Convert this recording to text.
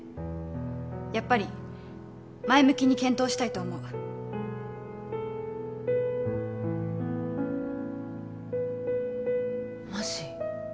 やっぱり前向きに検討したいと思うマジ？